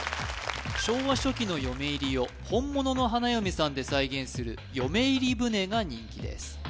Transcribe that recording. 昭和初期の嫁入りを本物の花嫁さんで再現する嫁入り舟が人気です